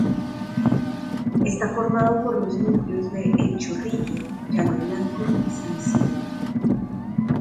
Está formado por los núcleos de El Chorrillo, Llano Blanco y San Isidro.